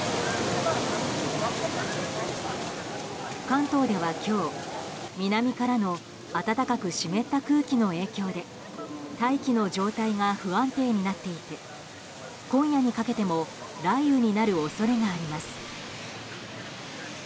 関東では今日、南からの暖かく湿った空気の影響で大気の状態が不安定になっていて今夜にかけても雷雨になる恐れがあります。